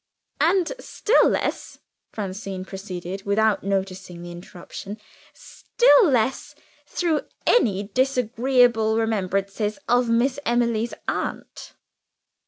"And still less," Francine proceeded, without noticing the interruption "still less through any disagreeable remembrances of Miss Emily's aunt."